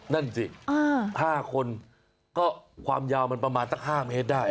นั่นสิ๕คนก็ความยาวมันประมาณสัก๕เมตรได้